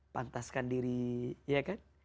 pantaskan diri ya kan